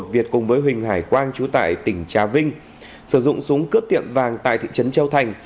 việt cùng với huỳnh hải quang chú tại tỉnh trà vinh sử dụng súng cướp tiệm vàng tại thị trấn châu thành